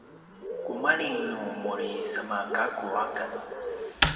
kumalji nu muri semagakku aken